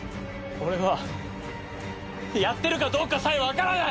俺はやってるかどうかさえ分からない！